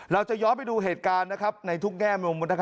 เราจะย้อนไปดูเหตุการณ์ในทุกแง่มุม